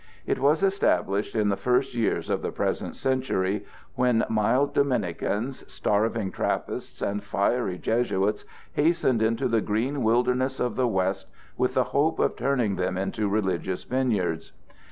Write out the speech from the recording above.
It was established in the first years of the present century, when mild Dominicans, starving Trappists, and fiery Jesuits hastened into the green wildernesses of the West with the hope of turning them into religious vineyards.